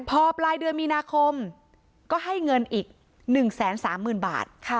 พอปลายเดือนมีนาคมก็ให้เงินอีก๑๓๐๐๐บาท